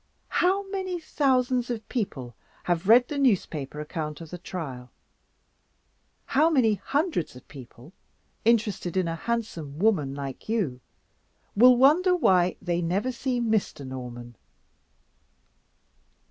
How many thousands of people have read the newspaper account of the trial? How many hundreds of people interested in a handsome woman like you will wonder why they never see Mr. Norman?